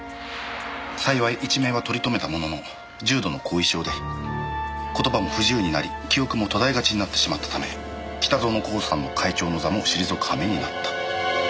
幸い一命は取り留めたものの重度の後遺症で言葉も不自由になり記憶も途絶えがちになってしまったため北薗興産の会長の座も退く羽目になった。